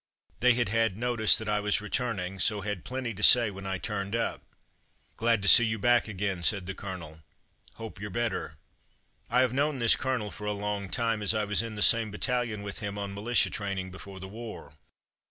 They had had notice that I was re turning, so had plenty to say when I turned up. "Glad to see you back again,'' said the colonel; ''hope you're better." I have known this colonel for a long time, as I was in the same battalion with him on militia training before the war.